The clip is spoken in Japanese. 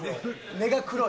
根が黒い。